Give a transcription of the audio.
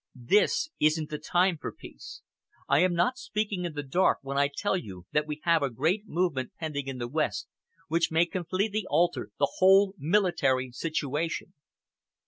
This isn't the time for peace. I am not speaking in the dark when I tell you that we have a great movement pending in the West which may completely alter the whole military situation.